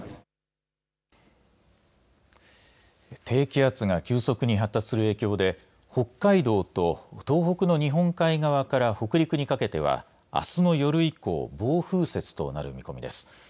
低気圧が急速に発達する影響で北海道と東北の日本海側から北陸にかけてはあすの夜以降暴風雪となる見込みです。